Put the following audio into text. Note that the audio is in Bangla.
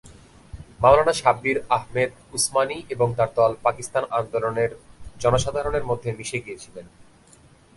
মাওলানা শাব্বির আহমেদ উসমানি এবং তার দল পাকিস্তান আন্দোলনের জনসাধারণের মধ্যে মিশে গিয়েছিলেন।